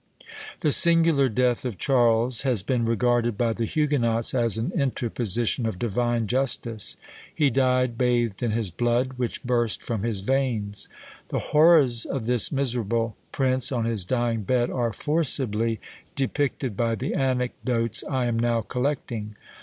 The singular death of Charles has been regarded by the Huguenots as an interposition of divine justice: he died bathed in his blood, which burst from his veins. The horrors of this miserable prince on his dying bed are forcibly depicted by the anecdotes I am now collecting.